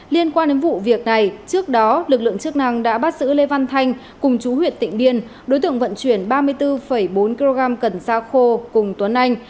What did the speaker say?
liên quan đến vụ việc này trước đó lực lượng chức năng đã bắt giữ lê văn thanh cùng chú huyện tịnh biên đối tượng vận chuyển ba mươi bốn bốn kg cần xa khô cùng tuấn anh